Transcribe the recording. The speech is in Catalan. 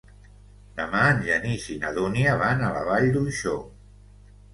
Demà en Genís i na Dúnia van a la Vall d'Uixó.